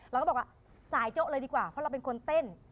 เราก็บอกว่าสายโจ๊ะเลยดีกว่าเพราะเราเป็นคนเต้น